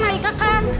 masih dia belum jauh